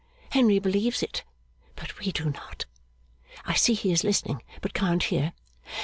Henry believes it, but we do not. I see he is listening, but can't hear.